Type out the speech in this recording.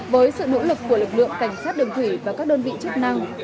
với sự nỗ lực của lực lượng cảnh sát đường thủy và các đơn vị chức năng